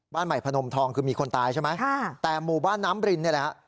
บ้านใหม่พนมทองคือมีคนตายใช่ไหมค่ะแต่หมู่บ้านน้ำบรินเนี่ยแหละฮะ